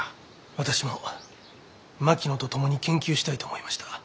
私も槙野と共に研究したいと思いました。